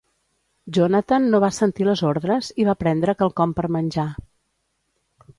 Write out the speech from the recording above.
Jonatan no va sentir les ordres i va prendre quelcom per menjar.